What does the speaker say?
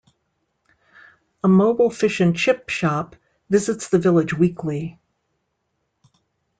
A mobile fish and chip shop visits the village weekly.